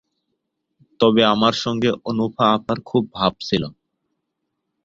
তবে আমার সঙ্গে অনুফা আপার খুব ভাব ছিল।